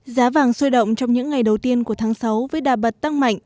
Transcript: giá vàng sôi động trong những ngày đầu tiên của tháng sáu với đà bật tăng mạnh